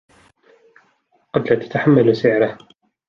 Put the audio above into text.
قد لا نتحمل سعره.